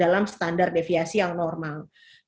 dalam standar deviasi yang normal